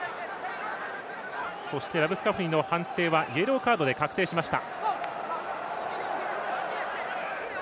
そして、ラブスカフニの判定はイエローカードで確定しました。